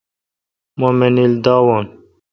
مہ منیل داوان